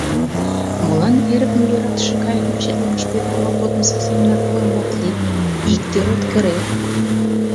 Молан эрыкым йӧратыше кайыкым четлыкыш петырыме годымсо семынак лым от лий, иктӧр от кыре?